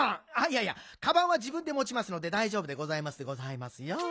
いやいやかばんはじぶんでもちますのでだいじょうぶでございますでございますよ。